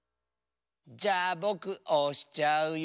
じゃあぼくおしちゃうよ。